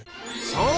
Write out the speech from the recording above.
そう！